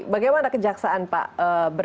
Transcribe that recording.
bagaimana kejaksaan pak berpengalaman